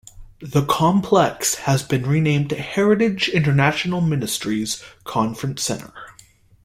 The complex has been renamed Heritage International Ministries Conference Center.